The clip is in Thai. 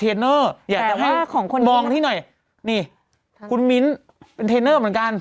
เทรนเนอร์แต่ว่าของคนมองที่หน่อยนี่คุณมิ้นเป็นเทรนเนอร์เหมือนกัน